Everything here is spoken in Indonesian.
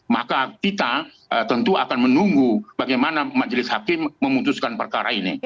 maka kita tentu akan menunggu bagaimana majelis hakim memutuskan perkara ini